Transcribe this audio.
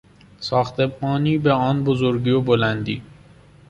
ساختمانی به آن بزرگی و بلندی